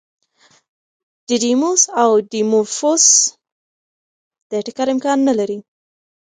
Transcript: ډیډیموس او ډیمورفوس د ټکر امکان نه لري.